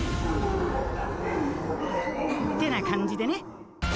てな感じでね。